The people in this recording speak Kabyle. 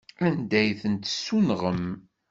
Anda ay ten-tessunɣem?